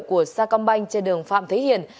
của sa công banh trên đường phạm thế hiển